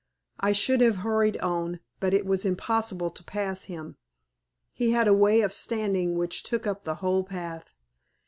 I should have hurried on, but it was impossible to pass him. He had a way of standing which took up the whole path.